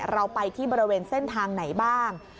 เราไปที่บริเวณเส้นทางไหนบ้าง